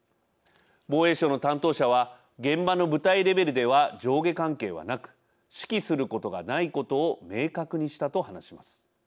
防衛省の担当者は現場の部隊レベルでは上下関係はなく指揮することがないことを明確にしたと話します。